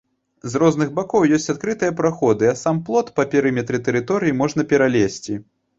З розных бакоў ёсць адкрытыя праходы, а сам плот па перыметры тэрыторыі можна пералезці.